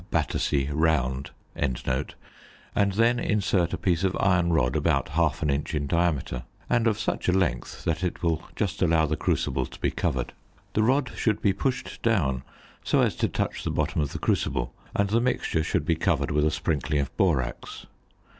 Battersea round), and then insert a piece of iron rod about half an inch in diameter, and of such a length that it will just allow the crucible to be covered. The rod should be pushed down so as to touch the bottom of the crucible, and the mixture should be covered with a sprinkling of borax.